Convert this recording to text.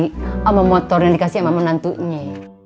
sama motor yang dikasih sama menantunya